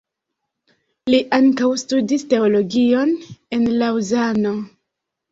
Li ankaŭ studis teologion en Laŭzano.